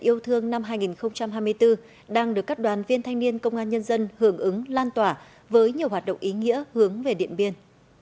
hành trình nhân đảo trao nhận yêu thương năm hai nghìn hai mươi bốn đang được các đoàn viên thanh niên công an nhân dân hưởng ứng lan tỏa với nhiều hoạt động ý nghĩa hướng về điện biên